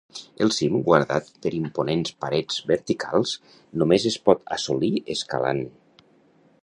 El cim, guardat per imponents parets verticals, només es pot assolir escalant.